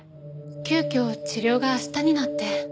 急きょ治療が明日になって。